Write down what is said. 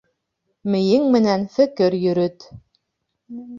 Мейең менән фекер йөрөт.